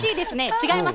違います。